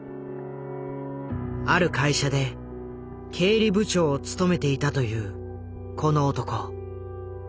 ある会社で経理部長を務めていたというこの男。